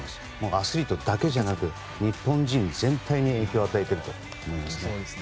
アスリートだけじゃなく日本人全体に影響を与えてると思います。